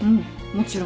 もちろん